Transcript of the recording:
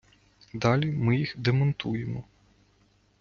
Далі ми їх демонтуємо.